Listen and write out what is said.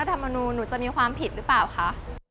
ธรรมนูลหนูจะมีความผิดหรือเปล่าคะ